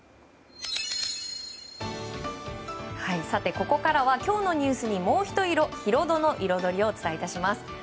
ここからは今日のニュースにもうひと色ヒロドのイロドリをお伝えいたします。